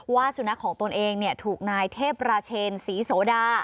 ว่าสูญนักของตนเองเนี่ยถูกนายเทพราเชนศรีโสดา